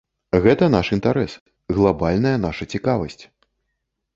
Гэта наш інтарэс, глабальная наша цікавасць!